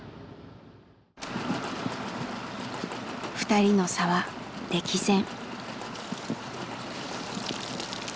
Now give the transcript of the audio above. ２人の差は歴然。